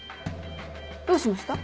どうしました？